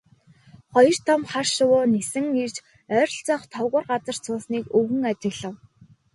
Хоёр том хар шувуу нисэн ирж ойролцоох товгор газарт суусныг өвгөн ажиглав.